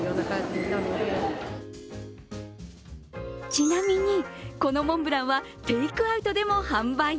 ちなみにこのモンブランはテイクアウトでも販売。